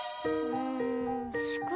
うん！